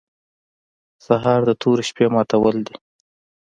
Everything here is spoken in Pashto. سهار د تورې شپې ماتول دي.